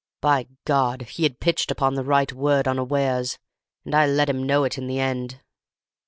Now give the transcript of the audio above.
By God, he had pitched upon the right word unawares, and I let him know it in the end!